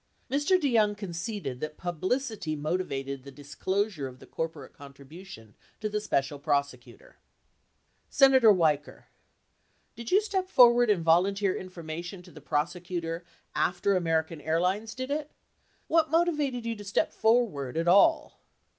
61 Mr. DeYoung conceded that publicity motivated the disclosure of the corporate contribution to the Special Prosecutor: 00 13 Hearings 5529 . 61 13 Hearings 5528 29 . 468 Senator Weicker. Did you step forward and volunteer in formation to the prosecutor after American Airlines did it ? What motivated you to step forward at all